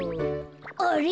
あれ？